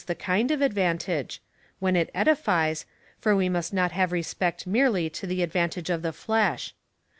the kind of advantage — when it edifies, for we must not have respect merely to tlie advantage of the flesh.